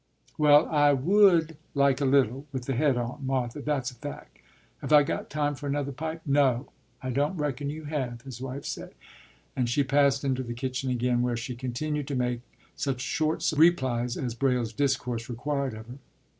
” “Well, I would like a little with the head on Martha, that's a fact. Have I got time for another pipe?” “No, I don't reckon you have,” his wife said, and she passed into the kitchen again, where she continued to make such short replies as Braile's discourse required of her.